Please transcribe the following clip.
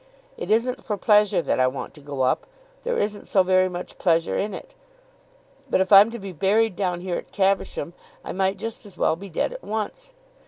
It isn't for pleasure that I want to go up. There isn't so very much pleasure in it. But if I'm to be buried down here at Caversham, I might just as well be dead at once.